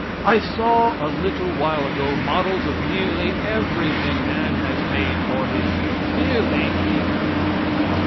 I saw a little while ago models of nearly everything man has made for his use nearly everything.